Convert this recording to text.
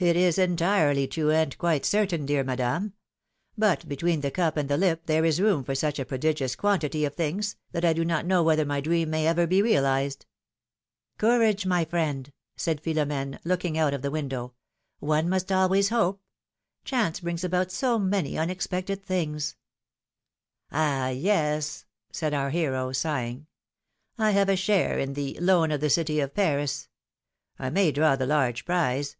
^^It is entirely true, and quite certain, dear Madame; but between the cup and the lip there is room for such a prodigious quantity of things, that I do not know whether my dream may ever be realized !" Courage, my friend !" said Philom^ne, looking out of the window; ^^one must always hope : chance brings about so many unexpected things!" philomj^ne's marriages. 247 yes ! said our hero, sighing, I have a share in the ^Loan of the City of Paris.^ I may draw the large l^rize